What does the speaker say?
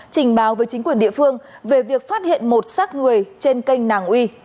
trình báo với chính quyền địa phương về việc phát hiện một sát người trên kênh nàng uy